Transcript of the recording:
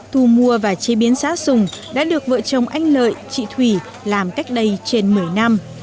thu mua và chế biến giá sùng đã được vợ chồng anh lợi chị thủy làm cách đây trên một mươi năm